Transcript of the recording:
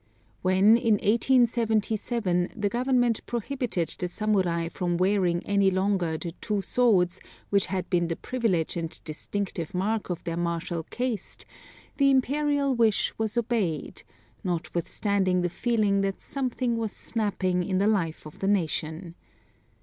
When, in 1877, the Government prohibited the Samurai from wearing any longer the two swords which had been the privilege and distinctive mark of their martial caste, the Imperial wish was obeyed, notwithstanding the feeling that something was snapping in the life of the nation.